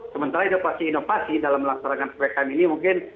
sementara itu pasti inovasi dalam melaksanakan ppm ini mungkin